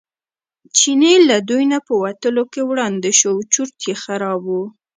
چینی له دوی نه په وتلو کې وړاندې شو چورت یې خراب و.